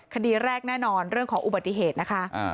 คดีแรกแน่นอนเรื่องของอุบัติเหตุนะคะ